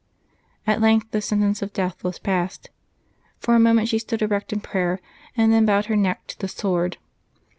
At length the sentence of death was passed. For a moment she stood erect in prayer, and then bowed her neck to the sword.